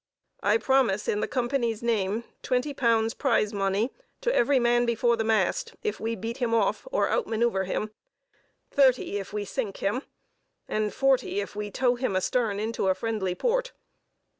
I promise, in the Company's name, twenty pounds prize money to every man before the mast if we beat him off or out manœuvre him; thirty if we sink him; and forty if we tow him astern into a friendly port.